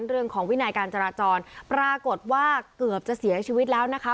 วินัยการจราจรปรากฏว่าเกือบจะเสียชีวิตแล้วนะคะ